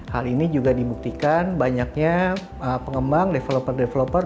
hal ini juga dibuktikan banyaknya pengembang developer developer